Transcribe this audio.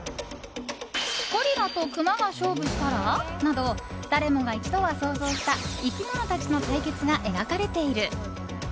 ゴリラとクマが勝負したら？など誰もが一度は想像した生き物たちの対決が描かれている。